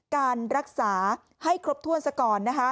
การรักษาให้ครบถ้วนสก่อน